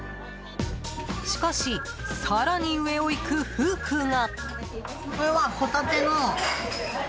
しかし、更に上を行く夫婦が。